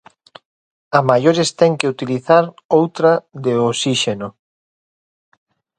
A maiores ten que utilizar outra de osíxeno.